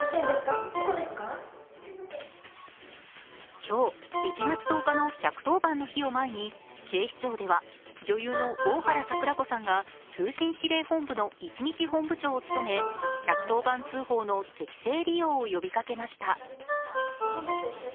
今日１月１０日の１１０番の日を前に警視庁では女優の大原櫻子さんが通信指令本部の一日本部長を務め１１０番通報の適正利用を呼びかけました。